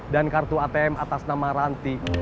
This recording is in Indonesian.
dan kartu atm atas nama ranti